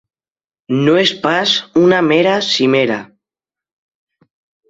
No és pas una mera cimera.